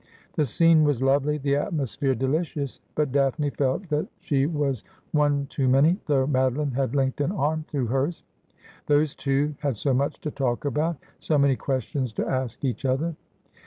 The scene was lovely, the atmosphere delicious, but Daphne felt that she was one too many, though Madoline had linked an arm through hers. Thosv^ two had so much to talk about, so many questions to ask each other.